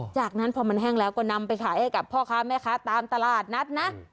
จากนั้นพอมันแห้งแล้วก็นำไปขายให้กับพ่อค้าแม่ค้าตามตลาดนัดนะ